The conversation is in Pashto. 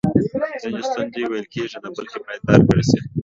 ځینې ستونزی ویل کیږي نه بلکې باید درک کړل سي!